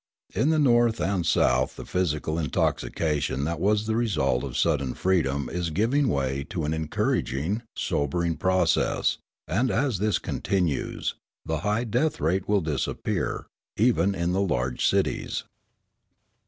In the North and South the physical intoxication that was the result of sudden freedom is giving way to an encouraging, sobering process; and, as this continues, the high death rate will disappear even, in the large cities.